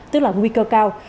tức là nguy cơ cao